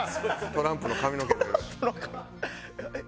トランプの髪えっ？